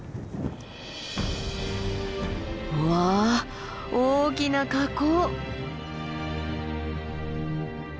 わあ大きな火口。